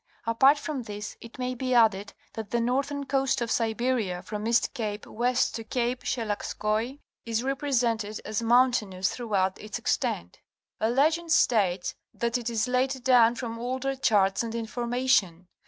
Apart from this, it may be added that the northern coast of Siberia from East Cape west to Cape Sheiagskoi is represented as mountainous throughout its extent. A legend states that it is laid down from older charts and information.